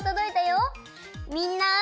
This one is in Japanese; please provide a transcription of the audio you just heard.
みんな。